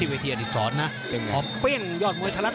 เอาเปรี้ยงยอดมวยไทยรัฐ